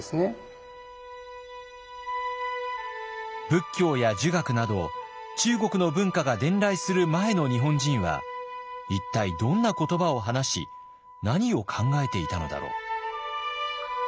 仏教や儒学など中国の文化が伝来する前の日本人は一体どんな言葉を話し何を考えていたのだろう？